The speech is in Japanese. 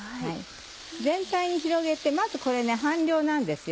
全体に広げてまずこれ半量なんですよ